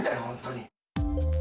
本当に。